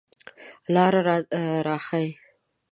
لار را ښایئ